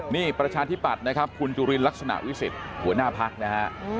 นี่ประชาธิปัตย์นะครับคุณจุลินลักษณะวิสิทธิ์หัวหน้าพักนะฮะ